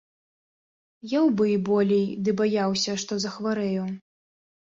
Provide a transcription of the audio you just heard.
Еў бы і болей, ды баяўся, што захварэю.